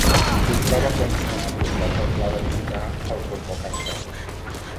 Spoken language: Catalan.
Comprova quan està apuntat el pla de visitar el CosmoCaixa.